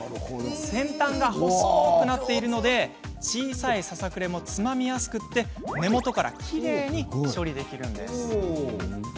先端が細くなっているため小さいささくれもつまみやすく根元からきれいに処理できるんです。